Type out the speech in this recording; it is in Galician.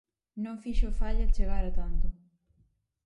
Non foxo falla chegar a tanto.